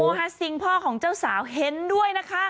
ฮัสซิงพ่อของเจ้าสาวเห็นด้วยนะคะ